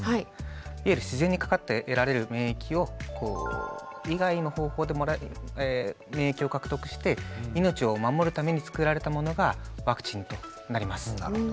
いわゆる自然にかかって得られる免疫をそれ以外の方法で免疫を獲得して命を守るために作られたものがワクチンとなります。